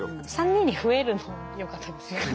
３人に増えるのもよかったですね。